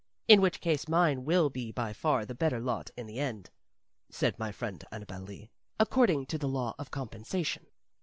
In which case mine will be by far the better lot in the end," said my friend Annabel Lee, "according to the law of compensation."